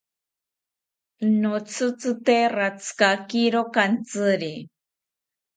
Notzitzite ratzikakiro kantziri